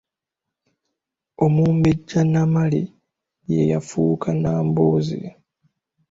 Omumbejja Namale ye yafuuka Nnambooze.